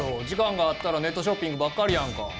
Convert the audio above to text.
時間があったらネットショッピングばっかりやんか。